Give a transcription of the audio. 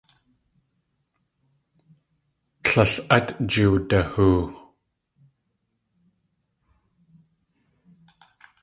Tlél át jiwdahoo.